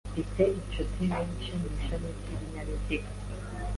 Mfite inshuti nyinshi mu ishami ry’ibinyabiziga.